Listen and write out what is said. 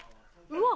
うわ！